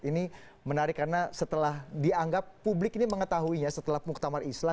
ini menarik karena setelah dianggap publik ini mengetahuinya setelah muktamar islah